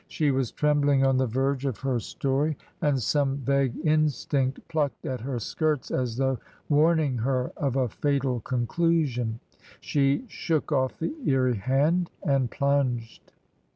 She was trembling on the verge of her 56 TRANSITION. story, and some vague instinct plucked at her skirts as though warning her of a fatal conclusion. She shook oflF the eerie hand and plunged.